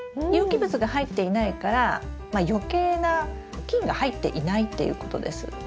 有機物が入っていないからよけいな菌が入っていないっていうことです。